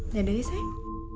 dadah ya sayang